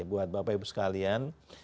buat bapak ibu sekalian